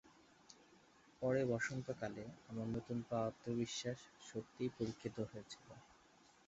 পরে বসন্ত কালে, আমার নতুন পাওয়া আত্মবিশ্বাস সত্যিই পরীক্ষিত হয়েছিল।